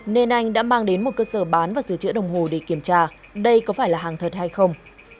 nên anh đã mang đến một cơ sở bán và sửa chữa đồng hồ để kiểm tra đây có phải là hàng thật hay không